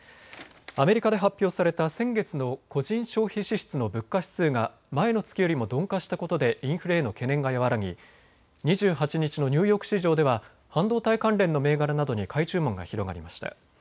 アメリカで発表された先月の個人消費支出の物価指数が前の月よりも鈍化したことでインフレへの懸念が和らぎ２８日のニューヨーク市場では半導体関連の銘柄などに買い注文が広がりました。